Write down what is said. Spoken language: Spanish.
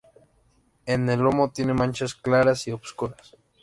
En el lomo tiene manchas claras y obscuras.